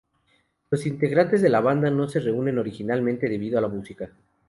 Los integrantes de la banda no se reunieron originalmente debido a la música.